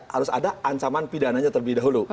harus ada ancaman pidananya terlebih dahulu